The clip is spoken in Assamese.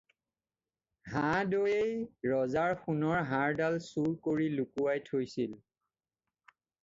হাদৈয়েই ৰজাৰ সোণৰ হাৰডাল চুৰ কৰি লুকাই থৈছিল।